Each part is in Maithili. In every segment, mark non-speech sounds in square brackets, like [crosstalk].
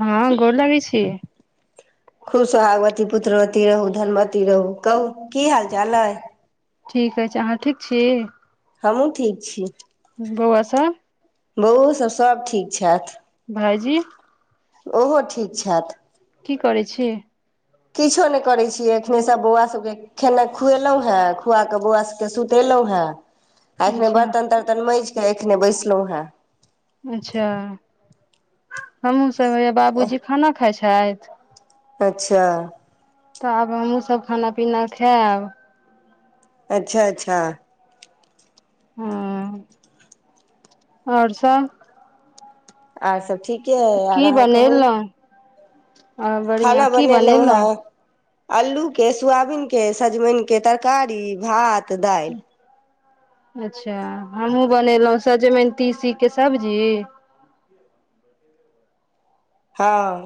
हँ गोर लगैय छी खुब सुहागवती पुत्रवती रहू धनवती रहू कहू की हाल चाल अइ ठीक अछि अहाँ ठीक छी हमहुँ ठीक छी बौआ सब बउ सब सब ठीक छथि भाइजी ओहो ठीक छथि की करै छी किछो नहि करैत छियै एखने सब बौआ सभके खेनाइ खुएलहुँ हें खुआ कऽ बौआ सभकेँ सुतेलहुँ हेँ आ एखने अच्छा बर्तन तर्तन माजि कऽ एखने बैसलहुँ हेँ अच्छा हमहुँ सब हैया बाबूजी खाना खाइ छैथ अच्छा तऽ आब हमहुँ सब खाना पीना खायब अच्छा अच्छा हँ आओर सब आओर सब ठीक की बनेलहुँ ह बढ़िआ की बनेलहुँ अलू के सोयाबीन के सजमनि के तरकारी भात दालि अच्छा हमहुूँ बनेलहुँ सजमनि तीसीके सब्जी हँ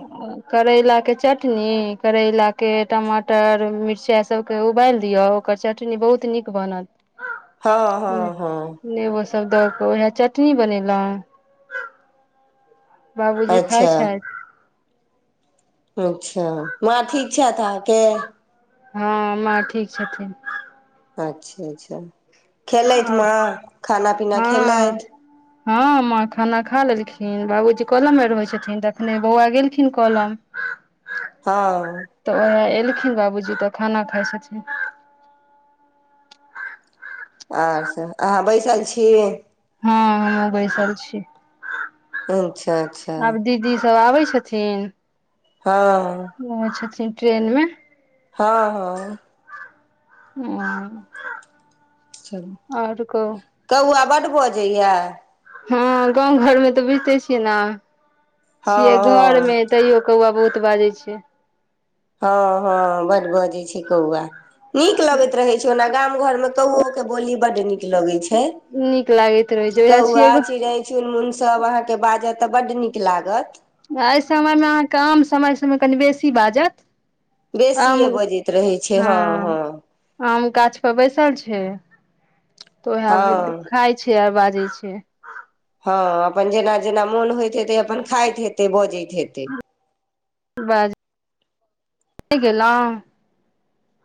करैलाके चटनी करैलाके टमाटर मिरचाइ सबके उबालि दियौ ओकर चटनी बहुत नीक बनत हँ हँ हँ नेबो सब दऽ कऽ उएह चटनी बनेलहुँ बाबूजी खाय अच्छा छैथ अच्छा माँ ठीक छैथ आहँ हँ माँ ठीक छथिन अच्छा अच्छा खेलैत आओर माँ खाना पीना हँ खेलैथ हँ माँ खाना खा लेलखिन बाबूजी कलम मे रहै छथिन अखने बौआ गेलखिन कलम [inaudible] हँ तऽ उएह एलखिन बाबूजी तऽ खाना खाइ छथिन आर सब अहाँ बैसल छी हँ हम बैसल छी अच्छा अच्छा आब दी दीदी सब आबै छथिन हँ ओइ छथिन ट्रेन मे हँ हँ [inaudible] चलू आओर कहू कौआ बड्ड बजैय ए हँ गाँव घर मे तऽ बुझिते छियै ने छियै हँ घर मे हँ तैयो कौआ बहुत बाजै छै हँ हँ बड बजे छै कौआ नीक लगैत रहे छै ओना गाम घर मे कौओ के बोली बड नीक नीक लगै छै नीक लागैत रहै छै उएह छियै कौआ एगो चिड़ैय चुनमुन सब अहाँके बाजत तऽ बड्ड नीक लागत एहि समयमे अहाँकेँ आम समय सममे कनि बेसी बाजत आम बेसियए बजैत रहै छै हँ हँ आम गाछ परे बैसल छै तऽ ओएह हँ खाय छै और बाजै छै हँ अपन जेना जेना मोन होइत हेते अपन खाइत हेतै बजैत हेते [unintelligible] गेलहु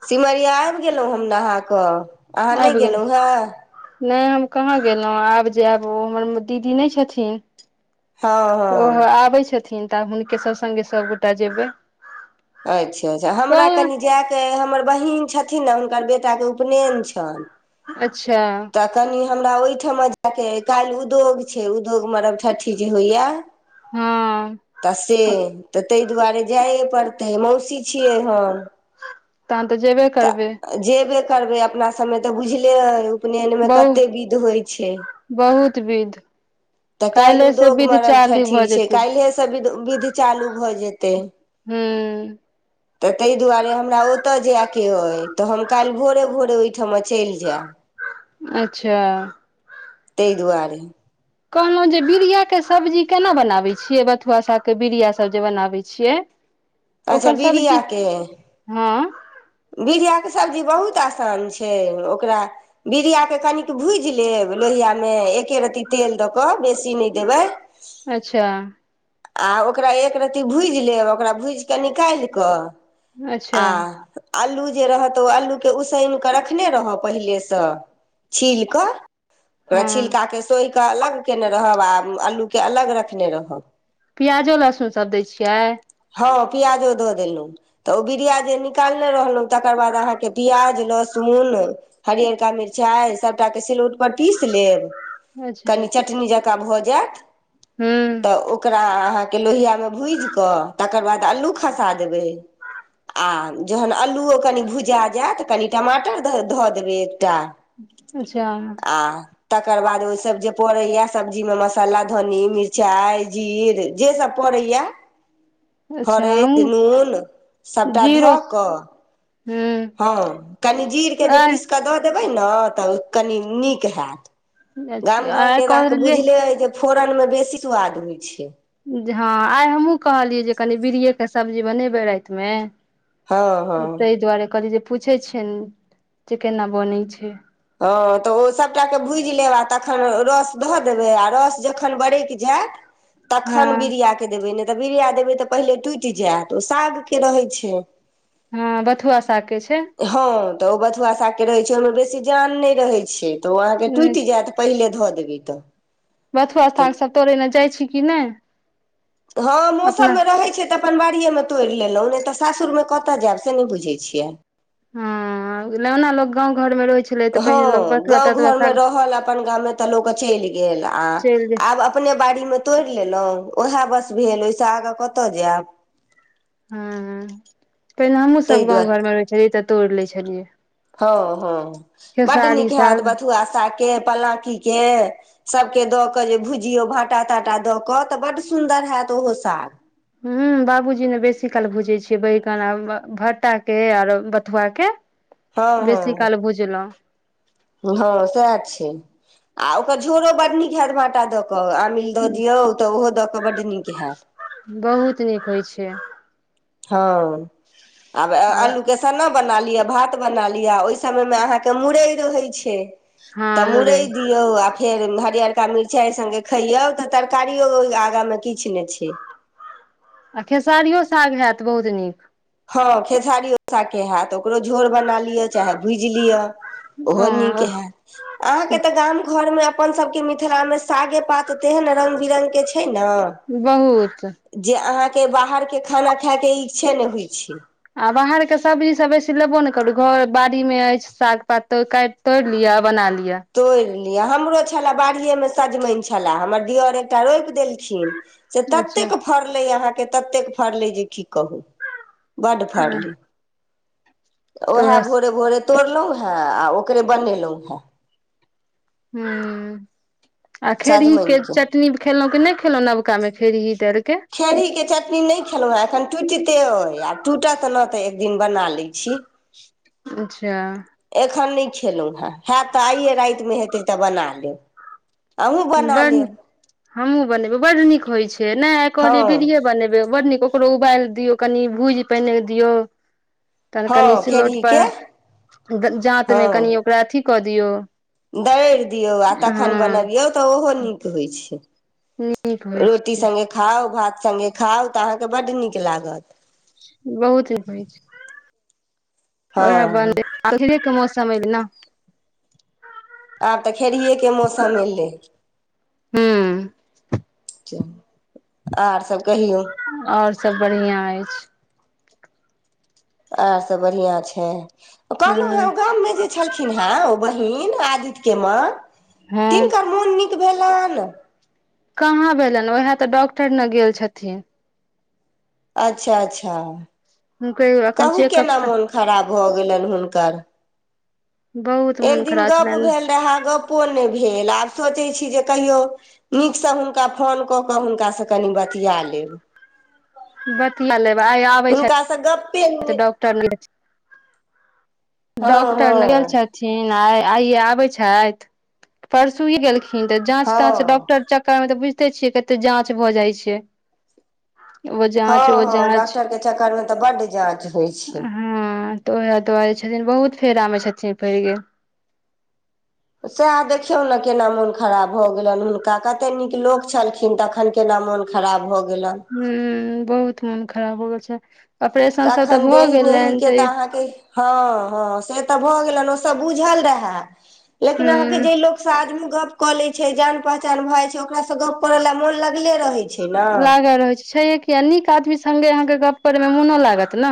सिमरिया आबि गेलहुँ हम नहा कऽ अहाँ आइब नहि गेल गेलहुँ हेँ नहि हम कहाँ गेलहुँ आब जायब ओ हमर दीदी नहि छथिन हँ ओहो हँ आबै छथिन तऽ हुनके सभ संगे सभगोटा जेबै अच्छा अच्छा हमरा कनि कहल जा कऽ हमर बहीन छथिन ने हुनकर बेटाके उपनयन छनि अच्छा तऽ कनि हमरा ओहिठमा जायके काल्हि उद्योग छै उद्योग मरब ठ्ठी जे होइ या ह तऽ से तऽ ताहि दुआरे जाइए पड़तै मौसी छियै हम तहन तऽ जेबे करबै तऽ जेबे करबै अपना सभमे तऽ बुझले अइ उपनयनमे बहु कते विध होइ छै बहुत विध तऽ काल्हि से उद्योग विध मरब चालू ठठी भऽ छै जेतै काल्हिसँ विध विध चालू भऽ जेतै हूँ तऽ ताहि दुआरे हमरा ओतय जायके अइ तऽ हम काल्हि भोरे भोरे ओहिठमा चलि जायब अच्छा तै दुआरे कहलहुँ जे बीरिया के सब्जी केना बनाबै छियै बथुआ सागके बीड़ियासभ जे बनाबै छियै तऽ अच्छा ओकर सबजी बीड़ियाके हँ बीड़ियाके सब्जी बहुत आसान छै ओकरा बीरियाके कनिक भूजि लेब लोहियामे एके रत्ती तेल दऽ कऽ बेसी नहि देबै अच्छा आ ओकरा एक रती भूजि लेब ओकरा भूजि कऽ निकालि कऽ आ अच्छा आल्लू जे रहऽ तऽ ओ आल्लूके उसैन कऽ रखने रहब पहिलेसँ छील कऽ ओकरा हँ छिलकाके सोहि कऽ अलग कयने रहब आ अल्लूकेँ अलग रखने रहब प्याजो लहसुन सभ दै छियै हँ पियाजो दऽ देलहुँ तऽ ओ बीरिया जे निकालने रहलहुँ तकर बाद अहाँके प्याज लहसुन हरिअरका मिरचाइ सभटाके सिलौटपर पीस लेब अच्छा कनी चटनी जँकाँ भऽ जायत हूं तऽ ओकरा अहाँके लोहिआामे भुजिकऽ तकर बाद अलू खसा देबै आ जखन अल्लूओ कनि भुजा जायत कनि टमाटर धऽ देबै एकटा अच्छा आ तकर बाद ओहि सब जे पड़ैया सब्जी मे मसाला धन्नी मिरचाई जीर जे सब पड़ैया अच्छा हरैदि हमहूँ नून सभटा जीरो धऽ कऽ हूं हँ कनी जीरकेँ जे आइ पीस कऽ दऽ देबै ने तऽ कनी नीक हैत गाम अच्छा आइ घरके तऽ अहाँके कहलियै बुझले अइ जे फोरन मे बेसी सुआद होइत छै हँ आइ हमहहुँ कहलियै जे कनी बीड़एके सब्जी बनेबै रातिमे हँ तऽ हँ ताहि दुआरे कहलियै जे पूछैत छियनि जे केना बनैत छै हँ तऽ ओ सभटाे भूजि लेब आ तखन रस धऽ देबै आ रस जखन बरकि जायत [inaudible] तखन बीरियाके देबै नहि तऽ बिरिया देबै तऽ पहिले टुटि जायत ओ सागके रहै छै हँ बथुआ सा के छै हँ तऽ ओ बथुआ साग के रहे छै ओहिमे बेसी जान नहि रहे छै तऽ ओ अहाँके टूटि जायत पहिले धऽ देबै तऽ बथुआ साग सभ तोड़ै लय जाइ छी कि नहि हँ अपना मौसममे रहै छै तऽ अपन बाड़िए मे तोड़ि लेलहुँ नहि तऽ सासुर मे कतय जायब से नहि बुझै छियै हँ लग ने लोकग गांव घर मे रहै छै हँ गाँ घरमे रहल अपन गाममे तऽ लोक चलि गेल आ चलि जाइ छै आब अपने बाड़ीमे तोड़ि लेलहुँ ओएह बस भेल ओहिसँ आगाँ कतय जायब हँ पहिने ताहि हमहूँसभ गाँव दुआरे घरमे रहै छलियै तऽ तोड़ि लै छलियै हँ हँ बड्ड खेसारी नीक हत साग बथुआ साग के पलांकीके सभके दऽ कऽ जे भुजियौ भाटा ताटा दऽ कऽ तऽ बड्ड सुन्दर हेत ओहो साग ह बाबूजी ने बेसी काल भूजै छियै बैगन आ भट्टा के आर बथुआ के हँ बेसी हँ काल भूझलौं हँ सएह छै आ ओकर झोड़ो बड्ड नीक हत बाटा दऽ क कऽ आमिल दऽ दियौ तऽ ओहो दऽ कऽ बड्ड नीक हएत बहुत नीक होइ छै हँ आब आर आलू के सना बना लिअ भात बना लियअ ओहि समय मे अहाँके मूरय रहै छै हँ तब मूरय मुरइ दि यौ आ फेर हरियरका मिरचाई संगे खैयौ तऽ तरकारियो आगा मे किछु नहि छैय। आ खेसारियो साग हैत बहुत नीक। हँ खेसारीयो साग के हैत ओकरो झोर बना लिअ चाहे भूजि लिअ। ओहो नीक अ हैत अहाँके तऽ गाम घरमे अपनसभके मिथिलामे सागे पापा कऽ तऽ तेहन रंग बिरंग के छै नऽ बहुत जे अहाँके बाहरके खाना खायके इकच्छे नहि होइ छैय। आ बाहरके सब्जीसभ बेसी लेबो नहि करू घर बाड़ीमे अछि साग पातो का तोड़ि लिअ आ बना लिअ। तोड़ि लिअ हमरो छला बाड़िएमे सजमनि छला हमर दिओर एकटा रोपि देलखिन। से अच्छा ततेक फड़लै अहाँके ततेक फड़लै जे की कहू। बड फड़लै। तऽ उएहे उएह भोरे भोरे तोड़लहुँ हेँ आ ओकरे बनेलहुँ हेँ। हूं आ खेड़ही के सजमनिके चटनी खेलहुं की नहि खेलहु नबका मे खेड़ी डायलके के? खेरीके चटनी नहि खेलहुँ हेँ एखन टुटिते अइ आ टुटत ने तऽ एक दिन बना लै छी अच्छा एखन नहि खेलहुँ हेँ हैत तऽ आइये रातिमे हेतै तऽ बना लेब। अहूँ बना बड्ड लेब हमहूँ बनेबै बड्ड नीक होइत छैय नहि आइ कहलियै हँ बीरिए बनेबै बड्ड नीक ओकरो उबालि दियौ कनि भुजि पहिने दियौ। तहन कनि हँ सिलौट खेरहीके पर जात मऽ कनि ओकरा अथी कऽ दियौ दड़ि दियौ आ तखन हँ बनबियौ तऽ ओहो नीक होइत छैय। नीक होइ रोटी छै सङ्गे खाउ भात सङ्गे खाउ तऽ अहाँके बड्ड नीक लागत बहुत [unintelligible] छैय, हँ ओहे बन [unintelligible] के मौसम [unintelligible] आब तऽ खेड़ियेके मौसम अयलै। हूँ आओर सब कहियौ। आओर सब बढ़िआ अछि। आओर सब बढ़िआँ छैय। हूँ मे जे छलखिन हे ओ बहिन आदित्य के माँ तीन हँ क मोन नीक भेलनि? कहाँ भेलनि उएह तऽ डॉक्टर ने गेल छथिन। अच्छा अच्छा हुनकर एखन कहूँ चेकअप केना स मोन खराब भऽ गेलनि हुनकर बहुत एक मोन दिन खराब गप्प छलनि भेल रहा गप्पो नहि भेल आब सोचैत छी जे कहियो नीकसँ हुनका फोन कऽ कऽ हुनकासँ कनि बतिया लेब। बतिया लेब आइ आबै छैय। कए से गप [unintelligible] डॉटर [unintelligible] हँ डॉक्टर ने हँ [unintelligible] थिन आ आइये आबय छथि परसुए गेलखिन तऽ जाँच ताँच हँ डॉक्टर चक तऽ मे तऽ बुझते छियै कते जाँच भऽ जाइ छैय ओ जाँच ओ जाँच। चकरमे तऽ बड्ड जाँच होइ छैय। हूं तऽ ओएह दुआरे छथिन बहुत फेरामे छथिन पैरि गेल। सैह देखियौ ने केना मोन खराब भऽ गेलनि हुनका कतेक नीक लोक छलखिन तखन केना मोन खराब भऽ गेलनि। ह बहुत मोन खराब हो गेल छै ऑपरेशन सब तऽ एखन भऽ देह गेलनि नेहीके तऽ ई अहाँके हँ हँ से तऽ भऽ गेलन ओ सब बुझल रहे लेकिन अहाँके हूँ जे लोक सझमे गप कऽ ले छै जान पहचान भए जा छै ओकरा गप करै ला मोन लगले रहै छैय ने। [unintelligible] छैये [unintelligible] [unintelligible] नीक आदमी संगे अहाँके गप करे में मोनो लागत ने।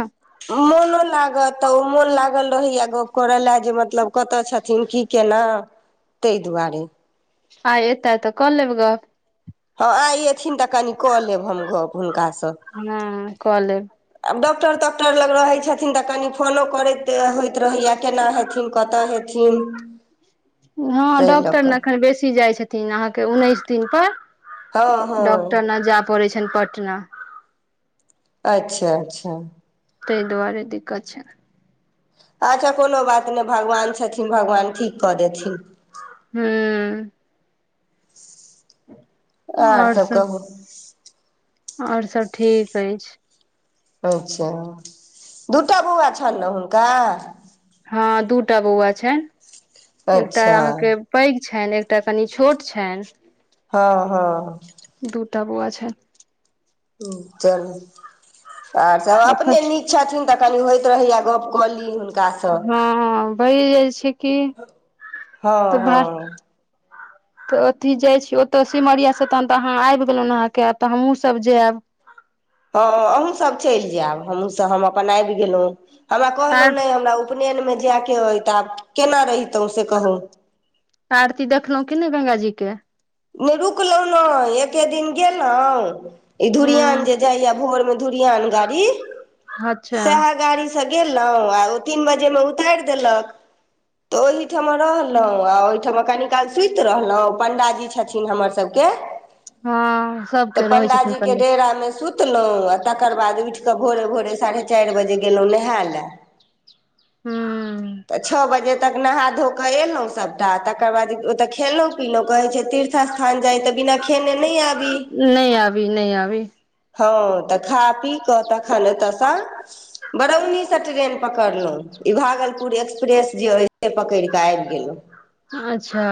मोनो लागत तऽ ओ मोन लागल रहैया गप्प करय ला जे मतलब कत छथिन की केना ताहि दुआरे। आय एतय तऽ क लेब गप। हँ आय एथिन तऽ कनि कऽ लेब हम गप हुनकासँ। हँ क लेब। आब डॉक्टर तॉक्टर लग रहे छथिन तऽ कनी फोनो करैत होयइत रहैया केना हेत हेथिन कतऽ हेथिन हँ ताहि लऽ डॉक्टर ने कऽ एखन बेसी जाइ छथिन अहाँके उन्नैस दिन पर। हँ हँ डॉक्टर नऽ जाय पड़ै छैन पटना अच्छा अच्छा ताहि दुआरे दिक्कत छै अच्छा कोनो बात नहि भगवान छथिन भगवान ठीक कऽ देथिन हुं आर सब कहू आओर सब ठीक अछि अच्छा दूटा बौआ छनि नऽ हुनका हँ दूटा बौआ छै एकटा अच्छा अहाँके पैघ छनि एकटा कनि छोट छनि हँ हँ दूटा बौआ छै चलू आर सब एखन अपने नी छथिन तऽ कनि होइत रहैया गप कऽ ली हुनकासँ हँ हं भैये जाइ छै कि हँ तऽ भ हँ तऽ अथी जाइ छी ओतय सिमरियाासँ तहन तऽ अहाँ आबि गेलहुँ अहाँके तऽ हमहूँसभ जायब हँ अहूँ सब चलि जायब हमहुँ सब हम अपन आबि गेलहुं हमरा कहलहु आर नहि हमरा उपनेयनमे जायके अ तऽ आब केना रहितहुँ से कहू आरती देखलहुं कि नहि गंगाजी के नहि रुकलहुँ नै एके दिन गेलहुँ ई ह धुरियान जे जाइयऽ भोर मे धुरियान गाड़ी अच्छा सएह गाड़ी से गेलहुँं आ ओ तीन बजे मे उतारि देलक तऽ ओहिठमा रहलहुँ आ ओहिठमा कनी काल सुति रहलहु पंडाजी छथिन हमर सबके हँ तऽ सबके रहै छथिन पंडाजी के पंडित डेरा मे सुति सुतलहुँ आ तकर बाद उठि कऽ भोरे भोरे साढ़े चारि बजे गेलहुँ नहाय लए ह तऽ छओ बजे तक नहा धो कऽ एलहुँ सभटा तकर बाद ओतऽ खेलहु पिलहुँ कहै छै तीर्थ स्थान जाय त बिना खेने नय आ नहि आबी नहि आबी हँ तऽ खा पी कऽ तखन एतयस बरौनीसँ ट्रेन पकड़लहुँ ई भागलपुर एक्सप्रेस जे अय से पकड़ि कऽ आबि गेलहु अच्छा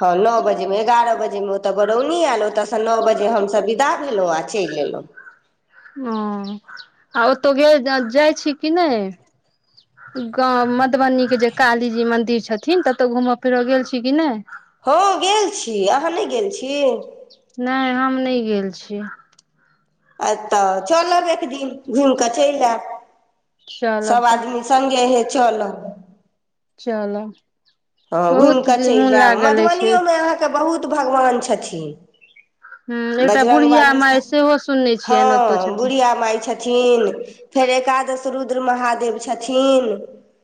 हँ नओ बजे एगारह बजे मे ओते बरौनी आयल ओतय से नओ बजे हमसभ बिदा लेलो आ चल एलो हम्म आ ओतौ गेल जाइ छी कि नहि गाँव मधुबनी के जे कालीजी मंदिर छथिन ततौ घूमय फिरय गेल छी कि नहि हं गेल छी अहाँ नहि गेल छी नहि हम नहि गेल छी अ त चलब एक दिन घुमि क चल आयब चलब सब तऽ आदमी संगे हे चलब चलब हँ घुमि बहुत क मोन चल आयब लागल अछि मधुबनियोमे अहाँके बहुत भगवान छथिन ह एकटा बजरंग बुढ़िया बाली माय सेहो सुनने हँ छियनि ओतौ छथिन बुढ़िया माइ छथि न फेर एकादश रुद्र महादेव छथिन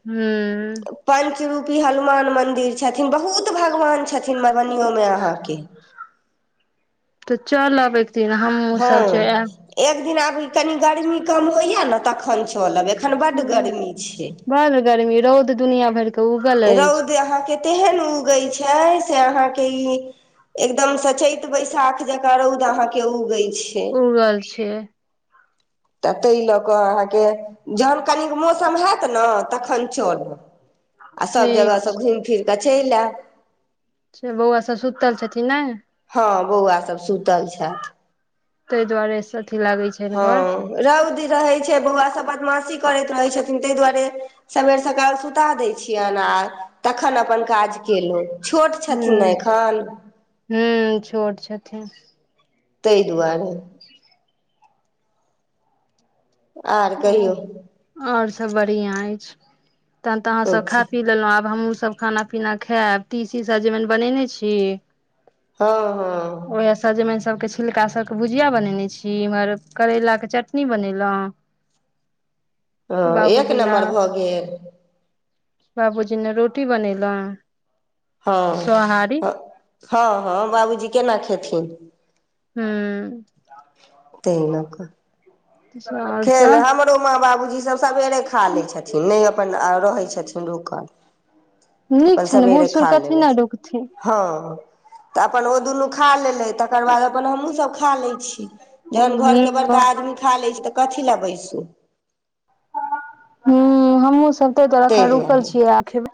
हूँ पंचरूपी हनुमान मन्दिर छथिन बहुत भगवान छथिन मधुबनीयो में अहाँके त चलब एक दिन हमहुँ सब जे हँ आयब एक दिन आब ई कनि गर्मी कम होइया ने तखन चलब एखन बड्ड ह गर्मी छै बड़ गर्मी रौद दुनिया भरके रौद अहाँके तेहन उगै छै से अहाँके ई एकदम स चैत बैशाख जकां रौद अहां के उगे छै उड़ल छै त तै लऽ कऽ अहाँके जब कनिक मौसम हएत ने तखन चल आ सभ ठीक जगह सँ घूम फिर क चल आयब से बौआ सब सुतल छथिन ने हँ बौआ सभ सुतल छथि ते दुआारेसे अथि लागै छै हँ रौद रहैत छै बौआ सभ बदमाशी करैत रहै छथिन ताहि दुआरे सवेर सकाल सुता दैत छियनि आ तखन अपन काज कयेलु छोट छथिन ने एखन हूँ छोट छथिन तै दुआरे आर कहियौ और सभ बढ़िया अछि तब तऽ अहाँसभ खा अच्छा पी लेलहुँ आब हमहूँसभ खाना पीना खायब तीशी सजमेन बनेने छी हँ हँ ओएह सजमन सभके छिलका सबके भुजिया बनेने छी इम्हर करेला के चटनी बनेलो हँ एक ने नम्बर भऽ गेल बाबूजी ने रोटी बनेल हँ ह हँ हँ बाबूजी केना खेथिन हू [unintelligible] आओर खेल सब हमरो माँ बाबूजीसभ सवेरे खा लै छथिन नहि अपन रहै छथिन रुकल नीक अपन छै ने बूढ़ सवेरे सूढ़ खा कथि ल लेलथि रुकथिन हँ तऽ अपन ओ दुनू खा लेलै तकर बाद अपन हमूँसभ खा लै छी जहन घरके हूं बड़का आदमी खा लै छी तऽ कथी लए बैसू ह हमहुँ सब ते दुआरे ताहि अखेन रुकल दुआरे छियै [unintelligible]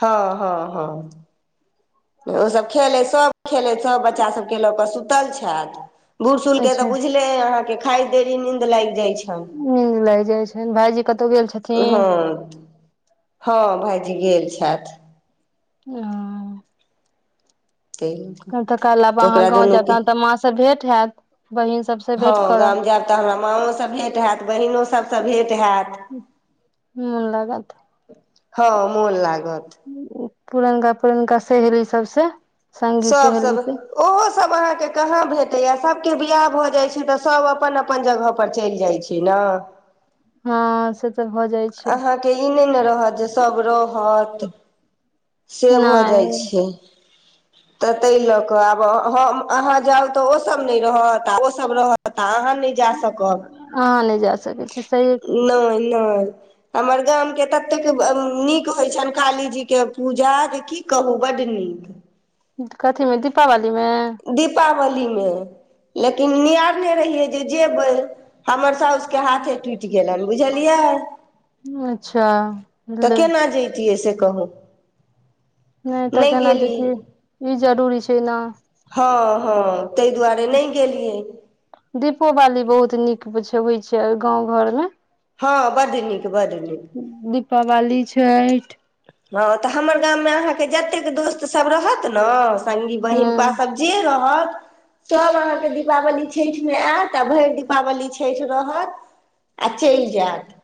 हँ हँ हँ ओसभ खेलैत सभ खेलैत सभ बच्चा सभके लऽ कऽ सुतल छथि बूढ़सूढ़ के तऽ अच्छा बुझले ए अहाँके खाय देरी नीन्द लागि जाइत छनि निंद लाग जाय छ भायजी कतौ गेल छथिन हँ हँ भाइजी गेल छथि ह ताहि लऽ कऽ तऽ [unintelligible] लब अहाँ ओकरा गाँव जायब तह दुनूके तऽ माँ सब भेट होयत बहिन सब स हँ गाम जायब तऽ हमरा माँओसँ भेँट हायैत बहिनो सभसँ भेँट हायत [unintelligible] हँ मोन लागत पुरनका पुरनका सहेली सबस सब सब ओहो सब अहाँके कहाँ भेटैया सभके बियाह भऽ जाइ छै तऽ सभ अपन अपन जगह पर चलि जाइत छै [unintelligible] हँ से तऽ भऽ जाइ छै अहाँके ई नहि ने रहत जे सभ रहत से भऽ जाइत नहि छै त ताहि ल क आब अहाँ जाउ त ओसभ नहि रहत आ ओसभ रहत त अहाँ नै जा सकब ह नै जा सकब नहि नहि हमर गामके ततेक नीक होइ छनि कालीजीके पूजा जे की कहू बड नीक कथी में दीपावली में दीपावलीमे लेकिन निआरने रहियै जे जेबै हमर साउस के हाथे टुटि गेलन बुझलियै अच्छा तऽ लै [unintelligible] से कहूँ नहि त केना जेतियै ई जरूरी छै न हँ हँ ताहि दुआरे नहि गेलियै दीपोवली बहुत नीक बुझुबैमइ छै ओई गाँंव घर मे हँं बड नीक बड नीक दीपावली छैठ हँ तऽ हमर गाममे अहाँके जतेक दोस्त सभ रहत न संगी बहिन पा हँ सभ जे रहत सभ अहाँके दीपावली छठिमे आयत आ भरि दीपावली छठि रहत आ चलि जायत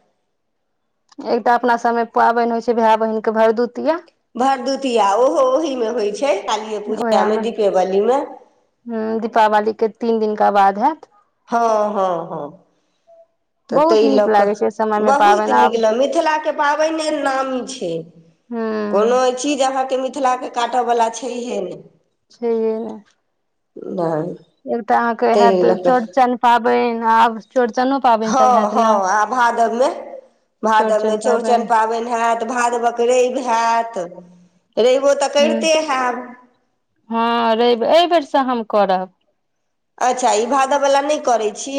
एकटा अपना सबमे पाबनि होय छै भाय बहिन के भरदुतिया भरदुतिया ओहो ओहीमे होइ छै कालीेए पूजा मे दीपेवली मे ह दीपावलीक के तीन दिनका बाद होयत हँ हँ हँ तऽ बहुत ताहि लऽ नीक कऽ लागै छै समय मे बहुत पाबनि नीक आब लग मिथिला के पाबइने नामी छै हूँ कोनो चीज अहाँके मिथिला के काटऽ बला छैहे नइ छै नइ नइ फेर ते अहाँ के हायत चौड़चन पाबेन आब चौड़चनो पाबेन हँ हँ आ भादव मे भादव मे चौड़चन चौरचन पाबनि पाबैन होयत भादवक रवि होयत रइबो तऽ ह करिते हैब हँ रइब एहि बेेरसँ हम करब अच्छा ई भादऽ वला नहि करैत छी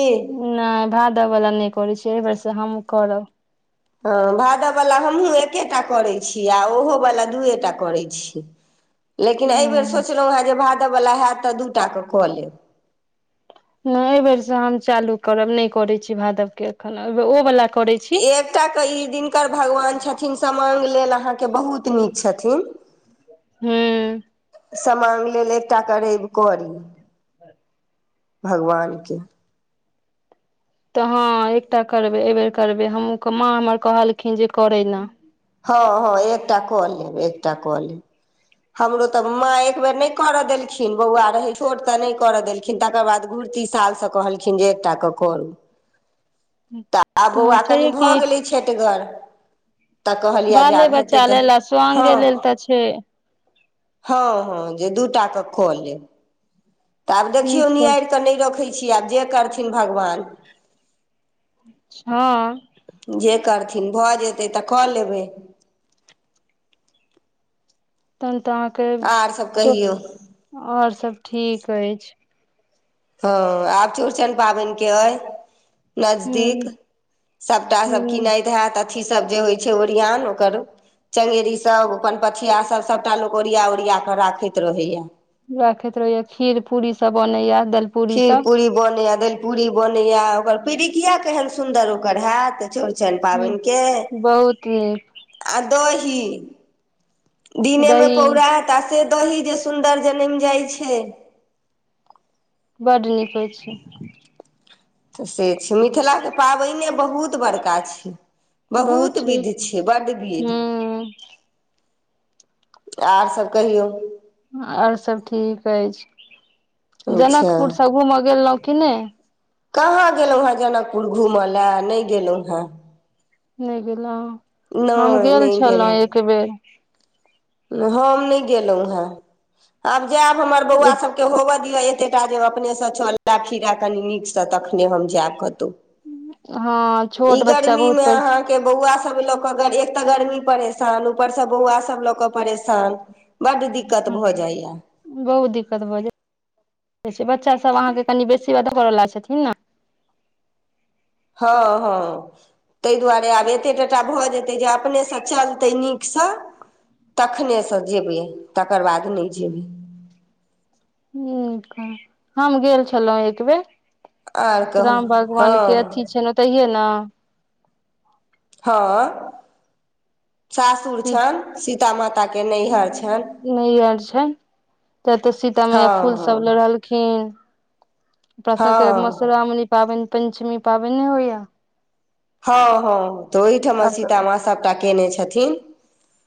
ने भादब वाला ने करै छी एहिबेर सँ हमहुँ करब हँ भादव वला हमहूँ एके टा करै‌ छी आ ओहोवला दूए टा करै छी हूँ लेकिन एहिबेर सोचलहुँ हेँ जे भादबवला होयत तऽ दूटाके कऽ लेब नहि एहि बेर से हम चालू करब नहि करे छी भादव के एखन ओ वला करै छी एकटाके ई दिनकर भगवान छथिन समांग लेल अहाँके बहुत नीक छथिन हू समाग लेल एकटा क रवि क ली भगवानके तऽ हँ एकटा करबै एहि बेेर करबै हमु माँ हमर कहलखिन जे करै ना हँ हँ एकटा कऽ लेब एकटा कऽ लेब हमरो तऽ माँ एक बेेर नहि करऽ देलखिन बौआ रहै छोट तऽ नहि करऽ देलखिन तकर बाद घुर्ती साल सब कहलखिन जे एकटाऽक करू [inaudible] तऽ आब बौआ कनि छै कि भऽ गेलै छठिगर बाले बच्चा लेल ल स्वग हँ लेल तऽ छै हँ हँ जे दू टा के क लेब त आब देखियौ नीक कहै निहार कऽ नहि रखै छी आब जे करथिन भगवान छहँ जे करथिन भऽ जेतै तऽ कऽ लेबै तहन तऽ अहाँकेँ आर सब चुप कहियौ आओर सभ ठीक अछि हँ आब चौड़चन पाबनिके अइ नजदीक हूँ सभटाभ हूँ किनैत हैत अथिीसभ जे होइ छै ओरियन ओकर चंगेरीसभ अपन पथिया सब सभटा लोक ओरिया ओरिया कऽ राखैत रहैए राखैत रहैया खीर पूरी सभ बनैया दाल खीर पूरी बनैया दालि पूड़ी बनैया ओकर पीड़ुिकिया केहन सुन्दर ओकर हयैत चौरचन हूँ पाबेन के बहुत नीक आ दही दिने मे दही पौराइत ताके दही जे सुन्दर जनैमि जाइ छै बड नीक होइ छै तऽ से छै मिथिलाके पाबैने बहुत बड़का छै बहुत विध छै बड विध हूँ और सब कहियौ आओर सभ ठीक अछि अच्छा जनकपुरसँ घूमय गेलहुँ कि नहि कहाँ गेलहुँ हँ जनकपुर घुमऽ लए नहि गेलहुँ हँ नहि गेलहु हम नहि गेल नहि छलहुँ एक गेलहुँ बेर हम नहि गेलहुँ हे आब जायब हमर बौआ सभ होबऽ दिअ एते टा जे अपनेसँ चल फिरा कनी नीकसँ तखने हम जायब कतहु हँ छोट बच्चा बहुत परेसान के बौआ सब ल के एक तऽ गर्मी परेशान ऊपर से बौआ सब ल के परेशान बड़ दिक्कत भऽ जाइया बहुत दिक्कत भऽ जाय बच्चा सब अहाँके कनि बेसीाद करवला छथिन ने हँ हँ ताहि दुआरे आब एतेक टटा भऽ जेतै जे अपनेसँ चलतै नीक स तखनेसँ जेबै तकर बाद नहि जेबै ह हम गेल छलहुँ एकबेर आर कहू राम भगवान के अथी हँ छेन ओतहिये नऽ हँ सासुर छनि सीता माता के नैहर छनि त ते सीता मैया हँ फूल सब हँ लोढ़लखिन [unintelligible] हँ पाबनि पञ्चमी पाबन नहि हो य हँ हँ तऽ ओहिठमा तऽ सीताामाँ सभटा कयने छथिन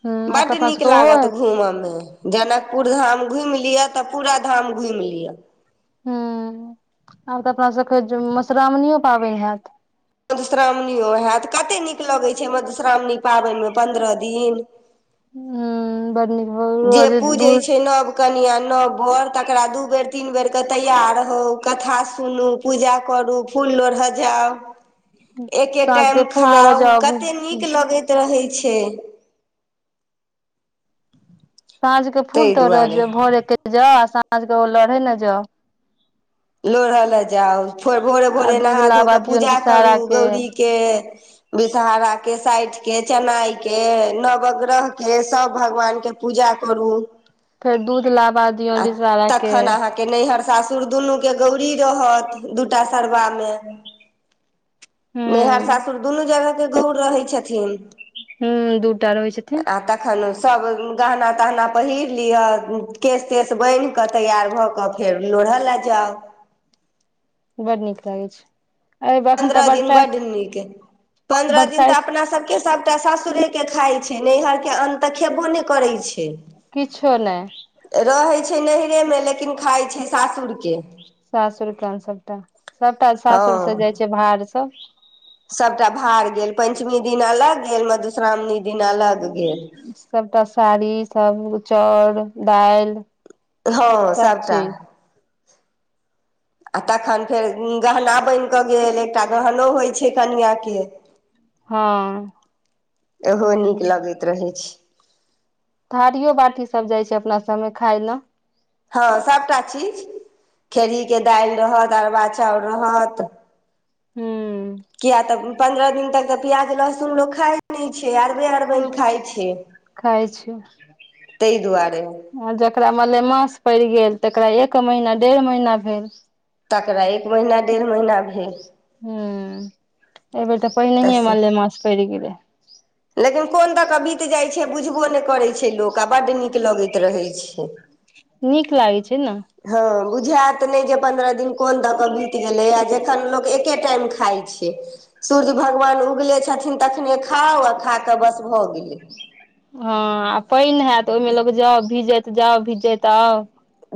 ह आब तऽ बड अपना नीक सबके ओहो लागत हैत घूमयमे जनकपुर धाम घुमि लिअ तऽ पूरा धाम घुमि लिअ हू आब तऽ अपनासभके मधुश्रावणियो पाबनि हाएत मधुश्रावणियो होयत कते नीक लगैत छै मधुश्रावणी पाबनिमे पन्द्रह दिन [unintelligible] [unintelligible] कनिआ नओ भर तकरा दू बेर तीन बेरके तैयार रहउ कथा सुनू पूजा करू फूल लोढ़ऽ जाउ एके साँझ के टाइम फूल लोढ़ऽ खाउ जाउ कते नीक लगैत रहै छै साँझ के फूल ताहि तोरा दुआरे [unintelligible] लोढ़य लए जाउ फोर भोरे आ भोरे दूध नहा धो लाबा कऽ दियौन पूजा विषहारा करू के गौरीके विषरा के साठि के चेनाई के नवग्रह के सब भगवान के पूजा करू फेर दूध लाबा दियऔ बिचारा के के नैहर सासुर दुनूके गौरी रहत दूटा सरवामे नैहर हूँ सासुर दुनू जगहके गौर रहै छथिन। हू दूटा रहि छथिन आ तखन सब गहना तहना पहिर लिह केश तेश बान्हि कऽ तैआर भऽ कऽ कऽ फेर लोढ़ा लए जाउ बड नीक लागै छै एहिबेर एखन तऽ पंन्द्रह दिन बरसाइत बड नीक पन्द्रह दिन तऽ बरसाइत अपना सब के सबटा सासुरे के खाय छै नैहर के अन्न तऽ खेबो ने करै छै किछो नहि रहैत छै नैहरेमे लेकिन खाइ छै सासुरके सासुर केन सभटा सभटा हँ सासुर से जाइ छै भाड़ सब सभटा भार गेल पञ्चमी दिन अलग गेल मधुश्रावणी दिन अलग गेल सबटा साड़ी सब चाउर दालि हँ सब सबटा चीज आ तखन फेर गहना बनि कऽ गेल एकटा गहनो होइत छै कनिआँके हँ इहो नीक लगैत रहै छै थारियो बाटी सब जाइ छै अपना सबमे खााय ल हँ सभटा चीज खेरही के दालि रहत अरबा चाउर रहत हू किया त पंन्द्रह दिन तक त प्याज लहसुन लोक खाय नै छै अरबे अरबनि खाइ छै खाय छै ताहि दुआरे आ जकरा मलेमास पड़ि गेल तकरा एक महीना डेढ़ महीना भेल तकरा एक महिना डेढ़ महीना भेल ह एबेर तऽ पहिनहिे मालेमास पड़ि गेलै लेकिन कोन दऽ कऽ बीत जाइत छै बुझबो नहि करैत छै लोक आ बड्ड नीक लगैत रहैत छै नीक लागै छै ने हँ बुझायत नहि जे पन्द्रह दिन कोन दऽ कऽ बीत गेलै आ जखन लोक एके टाईम खाई छै सूर्य भगवान उगले छथिन तखने खाउ आ खा कऽ बस भऽ गेलै हँ आ पानि हयत ओहिमे लोक जाउ भीजैत जाउ भीजैत आउ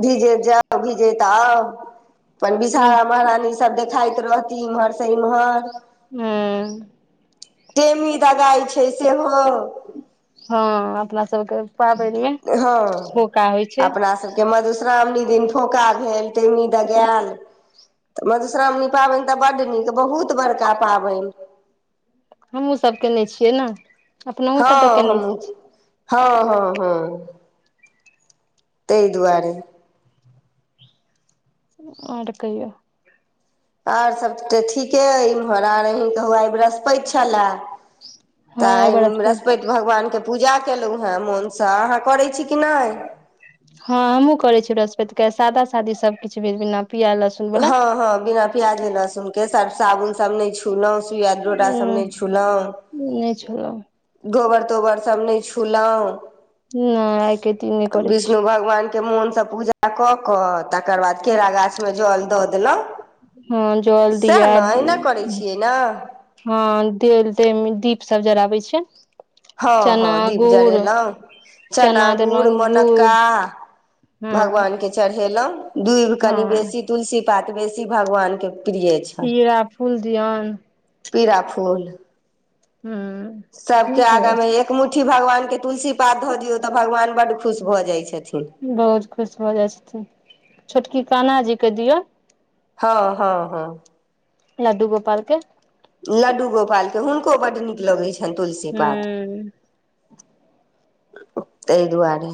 भिज जाउ भीजत आउ अपन विषहारा नीक महारानी सभ देखाइत रहती इम्हर से इम्हर हँ टेमी दगाई छै सेहो हँ अपना सभके पाबनिमे फोका होइ छै हम सभके मधुश्रावणी दिन फौका भेल टेगनी दऽ गेल तऽ मधुश्रावणी पाबनि तऽ बड् नीक बहुत बड़का पाबनि हमु सब केने छियै ने अपनहु सब तऽ हँ केने छी हमू हँ हँ हँ ताहि दुआरे। और कहीयौ आर सभ तऽ ठीके अइ इम्हर आर अहींके हुआइ ब्रहस्पति छलए हँ तऽ एहि आई बेर [unintelligible] बृहस्पति त भगवानके पूजा केलहुँ हेँ मोनसँ अहाँ करैत छी कि नहि हँ हमहुँ करे छीैृहस्पति के सादा शादी सबकिछु भ बिना पियाज लसून हँ ह बिना प्याजे लहसुन के सब साबुन सब ने उं छू‌‍ नहि छलौ [unintelligible] गोबर तोबर सब नहि छूलहु नहि आइ के दिन नहि करै छी विष्णु भगवान मोन से पुजा कऽ क तकर बाद केरा गाछ मे जल दऽ देलौ हँ जल सेएह दिया न अहिना करै छियै न हँ देल देम दीप सब जराबै छै हँ हँ चना दीप गुड़ जरेलौ चना गूर देलहुँ गुड़ मोनक्का हँ भगवानकेँ चढ़ेलौ दूभि कनि हँ बेसी तुलसी पात बेसी भगवानके पीड़ा फूल दिऔन पीड़ा फूल हूँ सबके नीक आगा रहै मे एक एक मुठ्ठी भगवान के तुलसी पात धऽ दियौ तऽ भगवान बड्ड खुश भऽ जाय छथिन बहुत खुश भऽ जाय छथिन छोटकी कान्हा जी क दियौ हँ हँ हँ लड्डु गोपालके लड्डू गोपालके हुनको बड्ड नीक लगै छनि तुलसी पात हूं तहि दुआरे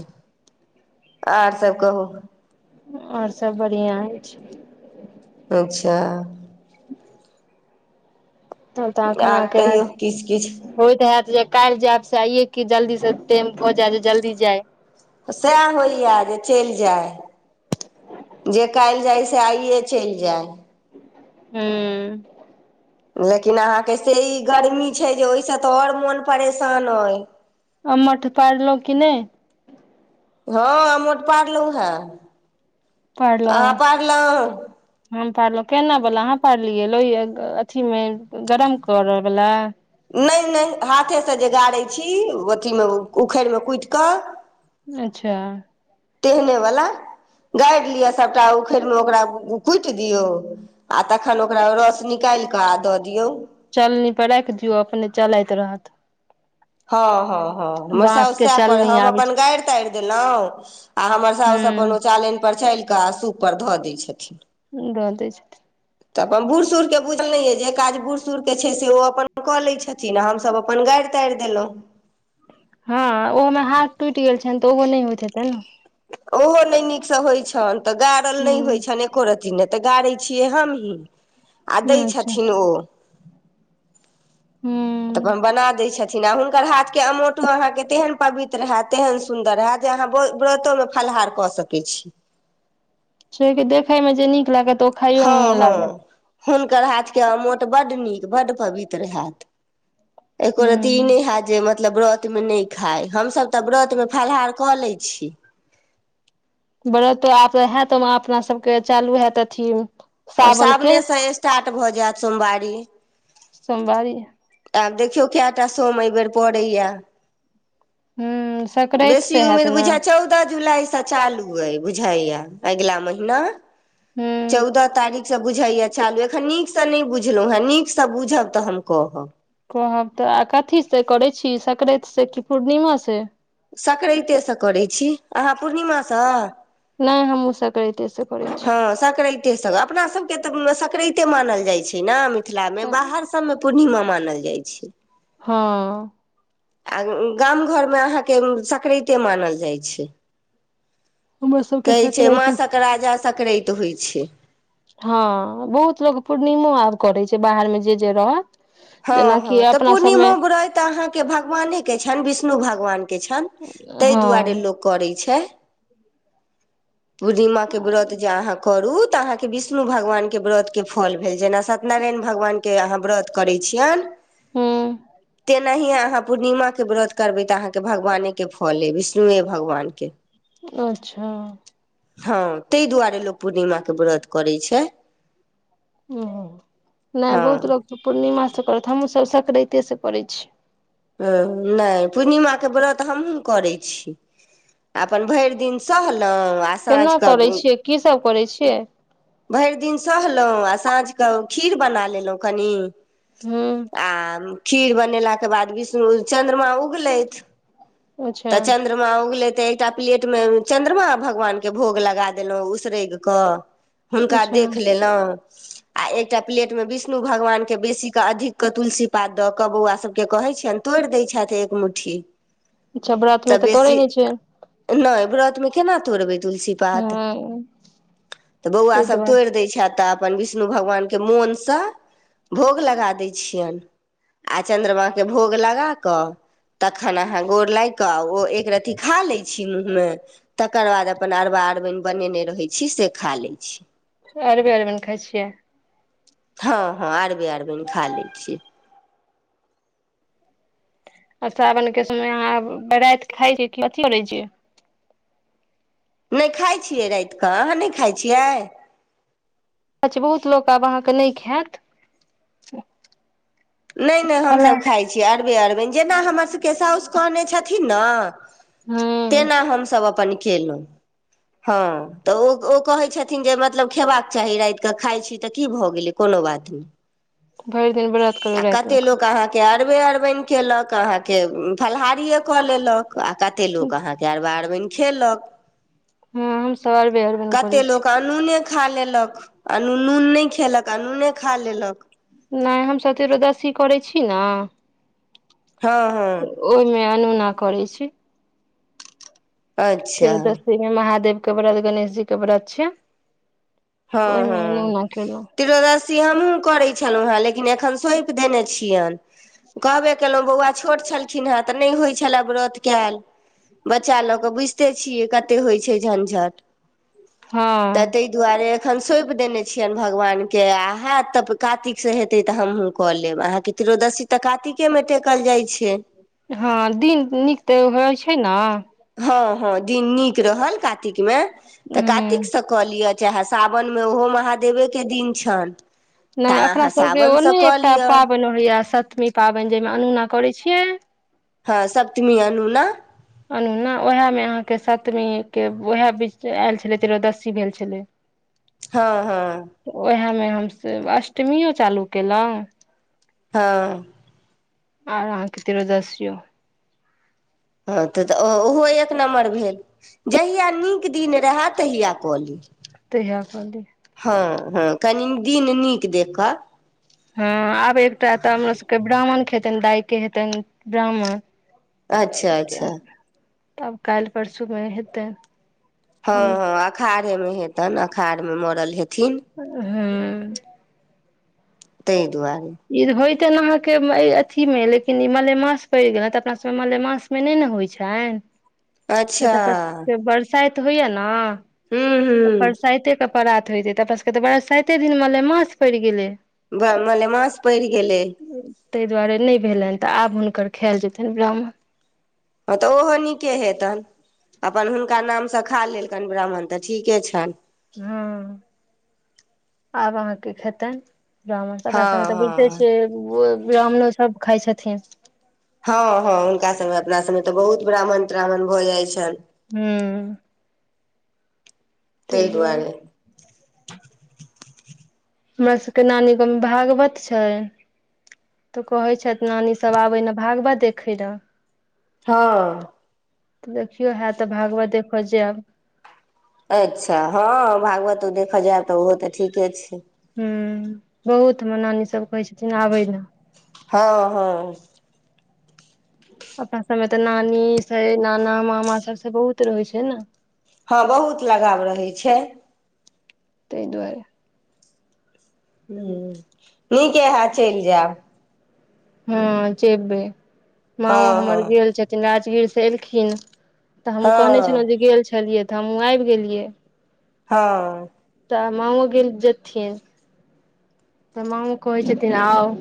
आर सभ कहू आओर सब बढ़िआँ होय छै अच्छा [unintelligible] त तऽ खना आर पिना कहियौ किछु किछु होयतऽ हयत जे काल्हि जायब से आइये की जल्दी से ट‌एम प जाय जल्दी जाय तऽ सएह होइए जे चलि जाय जे काल्हि जाय से आइए चलि जाय हँ हँ लेकिन अहाँके से ई गर्मी छै जे ओहिसँ तऽ आओर मोन परेशान अइ आ मठ पड़लो कि नहि हँ अमोट पारलौ हे पारलौ अहाँ पारलहुँ हे हम पारलौ केना बला अहाँ पारलियै लोहि अथी मे गरम करै बला नहि नहि हाथेसँ जे गारै छी अथीमे उखड़िमे कुटि कऽ अच्छा तेहने वला गारि लिअ सभटा उखड़िमे ओकरा कुटि दियौ आ तखन ओकरा रस निकालि कऽ आ दऽ दियौ चलनी पर राखि दियौ अपने चलैत रहत हँ हँ हँ हमर बाँस साउस के सएह करै चलनी हम आबै अपन छै गारि तारि देलौ आ हमर सासुस अपन हूं ओ चालनि पर चालि कऽ आ सूपपर धऽ दै छथिन द दै छथिन तऽ अपन बूढ़ सूढ़ के बुझने य जे काज बूढ़ सूढ़ के छै से ओ अपन कऽ लै छथिन आ हमसभ अपन गारि ताड़ि देलो हँ ओहोमे हाथ टुटि गेल छनि तऽ ओहो नहि होइत हेतै न ओहो नहि नीकसँ होय छनि तऽ गारल नहि होय छनि एक रति नहि तऽ गारै छियै हमही आ ह दै अच्छा छथिन ओ हूँ तऽ अपन बना दै छथिन आ हुनकर हाथ के अमोठ अहाँके तेहन पवित्र ह‌एत तेहन सुन्दर ह‌एत जे अहाँ व्रतो मे फलाहार कऽ सकै छी छै की देखे मे जे नीक लागत ओ खाइयोमे हँ मोन लागत हँ हुनकर हाथके अमोठ बड नीक बड्ड पवित्र ह‌एत एको रती ई ह नहि ह‌एत जे मतलब व्रतमे नहि खाय हमसभ तऽ व्रतमे फलाहार कऽ लै छी बरतो आब ह‌एत अपना सबके चालू ह‌एत अथी हँ सावन के सावनेसँ स्टार्ट भऽ जाएत सोमवारी सोमवारी आब देखियौ कएटा सोम एहिबेर पड़ैया ह सकराति बेसी से हैत उम्मीद ने बुझा चौदह जुलाई महिना ह नसँ बुझैय चालू एखन नीकसँ नहि बुझलहुँ हेँ नीकसँ बुझब तऽ हम कहब कहब तऽ कथी से करै छी संक्रांति से कि पूर्णिमा से सकरातेसँ करैत छी अहाँ पूर्णिमासँ नहि हमस सकरातेसँ अछि हँ सकराइते सब अपना सबके तऽ सकराते मानल जाइ छै ने मिथिलामे हँ बाहर सब मे पूर्णिमा मानल जाइ छै हँ आ गाम घरमे अहाँके सकराते मानल जाइ छै हमर सबके कहै छै सकराते माँके संकराते होइत छै हँ बहुत लोग पूर्णिमो आब करै छै बाहर मे जे जे रहत हँ जेनाकि हँ तऽ अपना सबमे पूर्णिमा बुराइत अहाँ के भगवाने के छ विष्णु भगवान के छनि ताहि दुआरे हँ लोग करे छै बुढडी माँ विराघ जाके करू तऽ अहाँकेविष्णु भगवानके व्रतके फल भेल जेना सत्यनारायण भगवानके अहाँ करै छिये हँ नहि अहाँ पूर्णिमा के व्रत करबै तऽ अहाँके भगवाने के फले विष्णुए भगवान के अच्छा हँ ताहि दुआरे लोक पूर्णिमाके व्रत करैत छै नहि हँ बहुत लोक पूर्णिमाासँ करत हमहुूँसभ सकराा्तेसँ करैत छी ह नहि पूर्णिमाके व्रतहमहूँ करैत छी अपन भरि दिन सहलहुँ आ केना साँझके करै छियै की सभ करै छियै भेर दिन सहलहुँ आ साँझ क खीर बना लेलहुँ कनि हूँ आ खीर बनेलाके बाद विष्णु चन्द्रमा उगले तऽ अच्छा चन्द चन्द्रमा उगलै तऽ एकटा प्लेट मे चन्द्रमा भगवान के भोग लगा देलहुँ उसरगि कऽ हुनका अच्छा देख लेलहुँ आ एकटा प्लेट मे विष्णु भगवान के बेसी अधिक के तुलसी पात दऽ कऽ बौआ सभके कहैत छियनि तोड़ि दै छथि एक मुट्ठी च्छा व्रत मे तऽ तोड़े ने छै नहि व्रत मे केना तोड़बै तुलसी पात हँ तऽ बौआ ताहि सब दुआरे तोड़ि दै छै तब अपन विष्णु भगवान के मोनसँ भोग लगा दै छियनि आ चंद्रमा के भोग लगााक तखन अहा गोर लागि कऽ ओ एक रती खा लै छी मुँहमे तकर बाद अपन अरबा अरबीन बनेने रहै छी से खा लै छी अरबी आलमन खाइ छियै हँ हँ अरबे अरबनि खाली छै आ सावन के समय अहाँ बराति खाई छी कथी करे छियै नहि खाइ छियै रात कऽ अहाँ नहि खाइ छियै अछा बहुत लोक आब अहाँके नहि ख्वायत नहि नहि हमसभ खाइ छी अरबे अरबे जेना हमरसभके सासु कहने छथिन ने तेना हमसभ अपन केलहुँ ह हँ तऽ ओ ओ कहैत छथिन जे मतलब खेबाक चाही रातिक के खाइत छी तऽ की भऽ गेलै कोनो बात नहि भरि दिन बरत कतेक लोक अहाँके अरबे अरबाइन केलक अहाँके फलाहारिए कऽ लेलक आ कतेक लोक अहाँके अरबा अरबनि खेलक हँ हम शबे अरबैन करै कते छी लोक अनूने खा लेलक आ न नून नहि खेलक आ नूने खा लेलक नहि हमसब त्रोदशी करै छी ने हँ हँ तऽ ओहिमे अनुना करै छी अच्छा त्रोदशी मे महादेव के व्रत गणेश जी के व्रत छै हँ ओहिमे हँ अनूना केलहुँ त्रोदशी हमहूँ करै छलहुँ हेँ लेकिन एखन सौंपि देने छियनि कहबे केलहुँ बौआ छोट छलखिन हेँ तऽ नहि होइत छलए व्रत कयल बच्चा लऽ कऽ बुझिते छियै कतेक होइ छै झंझट तऽ हँ ताहि दुआरे अखन सौंपि देने छियनि भगवानके आ हयत तऽ कातिकसँ हेतै तऽ हमहूँ कऽ लेब अहाँकेँ त्ररोदशी तऽ कातिकेमे टेकल जाइ छै हँ दिन नीक तऽ होइ छै न हँ हँ दिन नीक रहल कारातिक मे तऽ ह कातिकसँ कलिय चाहे सावनमे ओहो महादेवेके दिन छनि नहि तऽ अपना अहाँ सबके ओ सावनसँ नहि कऽ एकटा लिअ पाबनि होैया सप्तमी पाबनि जाहिमे अनोना करैत छियै हँ सप्तमी अनू न अनुना ने उएहमे अहाँके सतमीके उएह बीच आयल छलै त्ररयोदशी भेल छलै [unintelligible] [unintelligible] हँ हँ वैहेमे हमसभ अष्टमियो चालू केलहुँ। हँ आओर अहाँके तेरोदशियो। हँ त तऽ ओहो एक नम्बर भेल जहिया नीक दिन रहे तहिया कऽ ली तऽए कही हँ हँ कनी दिन नीक देखऽ हँ आब एकटा तऽ हमर सबके ब्राह्मण खेतन दाइ के हेतनि ब्राह्मण अच्छा त अच्छा तब काल्हि परसूमे हेतै हँ हँ अखाढ़े मे हेतनि अखाढ़ मे मरल हेथिन हँ ताहि दुआरे ई होयते ने अहाँके अथी मे लेकिन ई मलेमास पड़ि गेल त अपना सबमे मलेमास नहि ने होइ छ त अच्छा होइया ने हूँ त हूँ साते के परात होयते त सबके तऽ बड़ा साइते दिन म ले मास पड़ि गेलै मलेमास पड़ि गेलै ताहि दुआरे नहि भेलनि तऽ आब हुनकर खायएल जेतनि ब्राह्मण हँ तऽ ओहो नीके हेतनि अपन हुनका नामसँ खा लेलकनि ब्राह्मण तऽ ठीके छनि हँ आब अहाँ की खेतै ब्राह्मणरा हँ सभमे तऽ बुझिते हँ छियै ब्राह्मणो सभ खाइ छथिन हँ हँ हुनका सभमे अपना सबमे तऽ बहुत ब्राह्मण त्राह््मण भऽ जाइत छनि हू ताहि दुआरे हमरा सबके नानी गाँव मे भागवत छै तऽ कहै छथि नानी सब आबे ने भागवत देखे ल हँ तऽ देखियौ हए तऽ भागवत देखऽ जायब अच्छा हँ भागवत ओ देखऽ जायब तऽ ओहो तऽ ठीके छै ह बहुत मे नानी सब कहै छथिन आबै ने हँ हँ अपना सबमे तऽ नानी छै नाना मामा सबसँ बहुत रहै छै ने हँ बहुत लगाव रहैत छै ताहि दुआरे ह नीके हय चलि जायब हँ जेबै माँओ हँ हमर हँ गेल छथिन राजगीर से एलखिन तऽ हमहूँ कहने छलहुँ हँ जे गेल छलियै तऽ हमहूँ आबि गेलियै हँ तऽ मामओ गेल जेथिन तऽ मामओ कहै छथिन आउ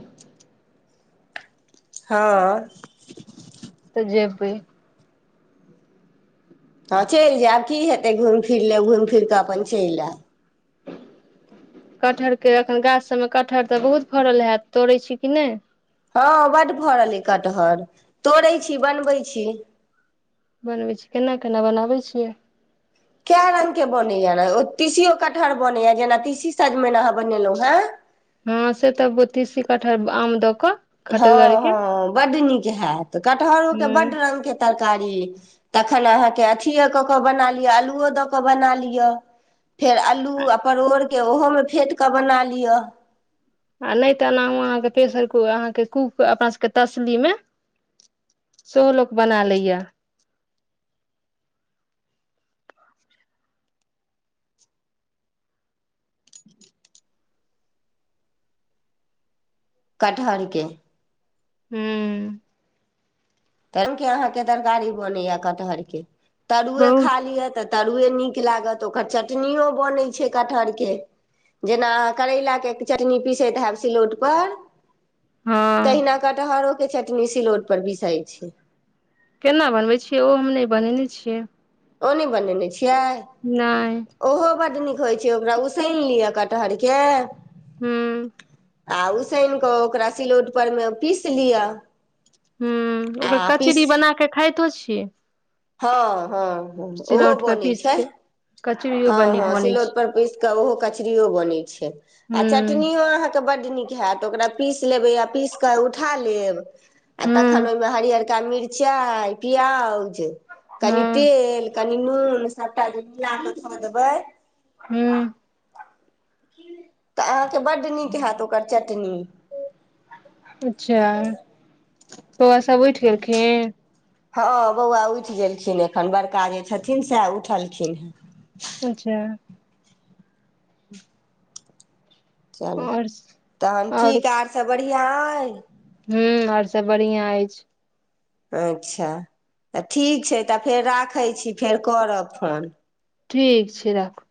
हँ तऽ जेबै हँ चलि जायब की हेतै घुमि फिर ले घुमि फिर कऽ अपन चलि आएब [unintelligible] कटहर के एखन गाछ सबमे कटहर तऽ बहुत फड़ल हयत तोड़ै छी कि नहि हँ बड भरल ऐ कटहर तोड़ैत छी बनबैत छी बनबै छी केना केना बनाबै छियै क रंगग के बनैया ने ओ तीसियो कटहर बनैया जेना तीसी साजमे अहाँ बनेलहुं हे हँ से तऽ बति शे कठहर आम दक हँ हँ बड नीक हैत कटहरोके हूँ बड्ड रङ्गके तरकारी तखन अहाँके अथिए कऽ कऽ बना लिअ आलूओ दऽ कऽ बना लिअ फेर अल्लू आ परोड़के ओहोमे फेँट कऽ बना लिअ आ नहि तऽ एनाहु अहाँके प्रेशर क अहाँके कूक अपना सबके तसली मे सेहो लोक बना लेया कटहरके हू तै के अहाँके तरकारी बनैया कटहर के तरुए खा बहुत लिय तऽ तरुए नीक लागत ओकर चटनो बनैत छै कटहरके जेना अहाँ करैलाके चटनी पीसैत हैब सिलौटपर हँ तहिना कटहरोके चटनी सिलौटपर पीसाय छै केना बनबै छियै ओ हम नहि बनेने छियै ओ नहि बनेने छियै नहि ओहो बड्ड नीक होइत छै ओकरा उसनि लिअ कटहरके हू आ उसनि कऽ ओकरा सिलौट पर मे पीस लिअ ह ओकर आ पीस कचरी बना कऽ खाइतो छी हँ हँ ओहो सिलौट पर बनी पीस छै के कचरियो हँ बड़ नीक हँ बनै सिलौट छै पर पीस केऽ ओहो कचरो बनैत छै आ चटनो हूँ अहाँ के बड्ड नीक हयत ओकरा पीस लेबै आ पीस कऽ उठा लेब आ हूँ तखन ओहिमे हरअरका मिरचाइ प्याज कनि हूँ तेल कनी नून सभटा जे मिला कऽ धऽ देबै हू तऽ अहाँके बड्ड नीक हत ओकर चटनी अच्छा बौआ सब उठि गेलखिन हँ बौआ उठि गेलखिन एखन बड़का जे छथिन सेह उठलखिन हे अच्छा [inaudible] चलू आओर तहन ठीक आर सब बढ़िआँ अइए हू ओर सब बढ़िआँ अछि अच्छा त ठीक छै त फेर राखै छी फेर करब फोन ठीक छै राखूँ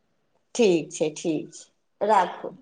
ठीक छै ठीक छै राखूँ